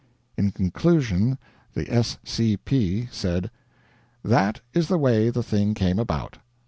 In conclusion the S. C. P. said: "That is the way the thing came about.